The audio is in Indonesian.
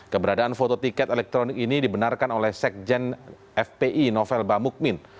keberadaan foto tiket elektronik ini dibenarkan oleh sekjen fpi novel bamukmin